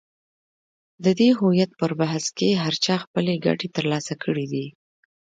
د دې هویت پر بحث کې هر چا خپلې ګټې تر لاسه کړې دي.